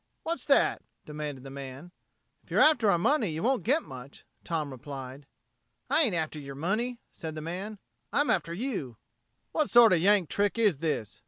What's that?" demanded the man. "If you're after our money you won't get much," Tom replied. "I ain't after yer money," said the man. "I'm after you." "What sort of a Yank trick is this!"